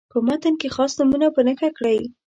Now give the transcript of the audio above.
په متن کې خاص نومونه په نښه کړئ.